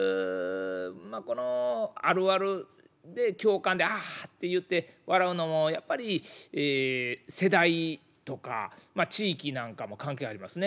まあこのあるあるで共感で「あ」っていって笑うのもやっぱり世代とか地域なんかも関係ありますね。